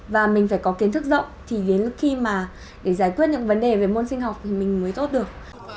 và mình phải có kiến thức rộng thì khi mà để giải quyết những vấn đề về môn sinh học thì mình mới tốt được